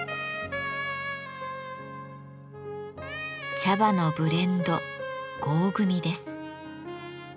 茶葉のブレンド合組です。